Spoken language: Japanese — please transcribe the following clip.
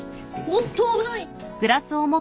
おっと危ない！